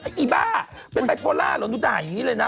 อีบ้าเป็นไบโพล่าเหรอหนูด่าอย่างนี้เลยนะ